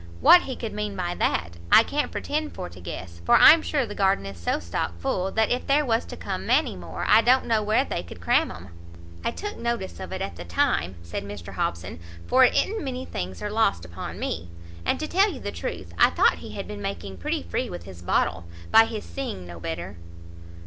what he could mean by that, I can't pretend for to guess, for I'm sure the garden is so stock full, that if there was to come many more, I don't know where they could cram 'em." "I took notice of it at the time," said Mr Hobson, "for it i'n't many things are lost upon me; and, to tell you the truth, I thought he had been making pretty free with his bottle, by his seeing no better."